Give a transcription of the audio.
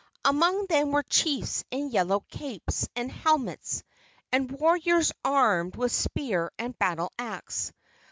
Among them were chiefs in yellow capes and helmets, and warriors armed with spear and battle axe.